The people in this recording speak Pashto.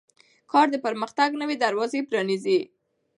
کار د پرمختګ نوې دروازې پرانیزي